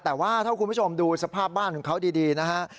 แต่ว่าถ้าคุณผู้ชมดูสภาพบ้านของเขาดีนะฮะ